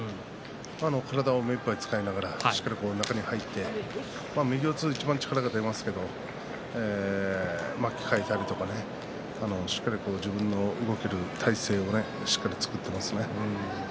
体を目いっぱい使いながらしっかり中に入って右四つがいちばん力が出ますけど巻き替えたりとかねしっかり自分の動ける体勢をしっかり作っていますね。